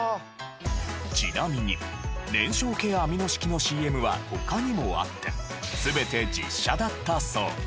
ちなみに燃焼系アミノ式のＣＭは他にもあって全て実写だったそう。